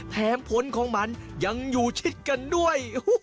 แถมผลของมันยังอยู่ชิดกันด้วย